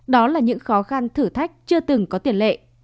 đó là những khó khăn thử thách chưa từng có tiền lệ